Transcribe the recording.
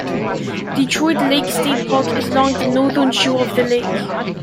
Detroit Lake State Park is along the northern shore of the lake.